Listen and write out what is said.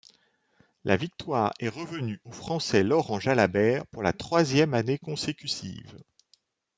La victoire est revenue au Français Laurent Jalabert pour la troisième année consécutive.